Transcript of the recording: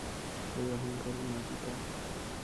সেই অহংকারী মাগীটা।